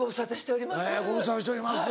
ご無沙汰しております。